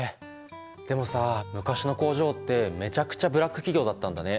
でもさ昔の工場ってめちゃくちゃブラック企業だったんだね。